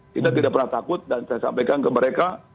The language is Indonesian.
kita tidak pernah takut dan saya sampaikan ke mereka